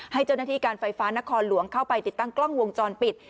ให้เจ้าหน้าที่การไฟฟ้านครหลวงเข้าไปติดตั้งกล้องวงจรปิด